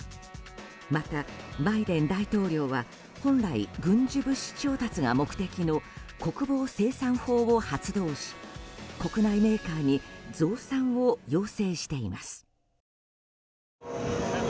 またバイデン大統領は本来、軍需物資調達が目的の国防生産法を発動し国内メーカーに増産を要請しています。